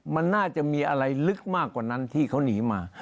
มันน่าจะมีอะไรลึกมากกว่านั้นที่เขาหนีมา